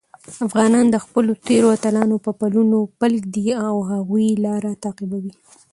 افغانان د خپلو تېرو اتلانو په پلونو پل ږدي او د هغوی لاره تعقیبوي.